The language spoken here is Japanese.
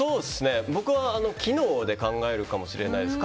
僕は機能で考えるかもしれないです。